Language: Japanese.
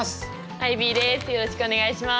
アイビーです。